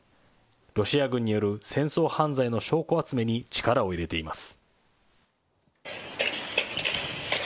ロシア軍による戦争犯罪の証拠集めに力を入れています。